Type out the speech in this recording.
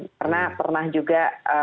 karena pernah juga